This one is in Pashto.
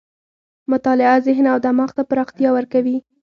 مطالعه ذهن او دماغ ته پراختیا ورکوي.